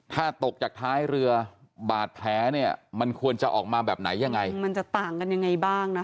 มันจะต่างกันยังไงบ้างนะคะ